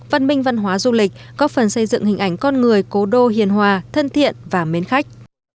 văn minh văn hóa du lịch góp phần xây dựng hình ảnh con người cố đô hiền hòa thân thiện và mến khách